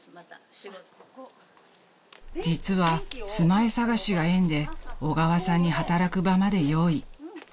［実は住まい探しが縁で小川さんに働く場まで用意］